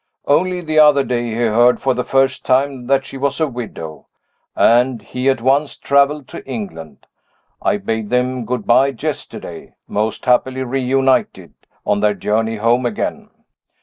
Only the other day he heard for the first time that she was a widow and he at once traveled to England. I bade them good by yesterday most happily reunited on their journey home again.